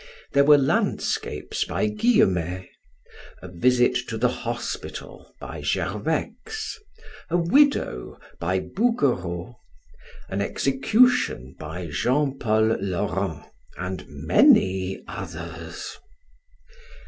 There were landscapes by Guillemet; "A Visit to the Hospital," by Gervex; "A Widow," by Bouguereau; "An Execution," by Jean Paul Laurens, and many others.